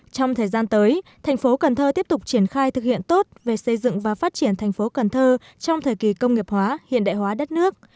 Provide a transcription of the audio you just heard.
trong thời gian tới thành phố cần thơ tiếp tục triển khai thực hiện tốt về xây dựng và phát triển thành phố cần thơ trong thời kỳ công nghiệp hóa hiện đại hóa đất nước